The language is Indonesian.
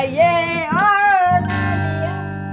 yee oh nari ya